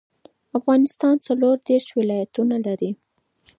افغانستان څلور دیرش ولايتونه لري